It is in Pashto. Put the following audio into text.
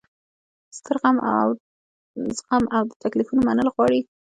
ستر زغم او د تکلیفونو منل غواړي.